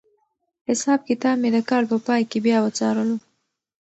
حساب کتاب مې د کال په پای کې بیا وڅارلو.